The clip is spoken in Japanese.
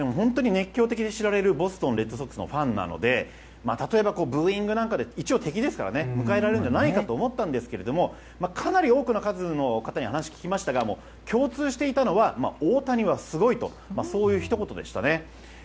熱狂的といわれるボストン・レッドソックスのファンなので例えば、ブーイングなんかで一応、敵なので迎えられるんじゃないかと思ったんですが多くの方に話を聞くと共通していたのは大谷はすごいとそういうひと言でした。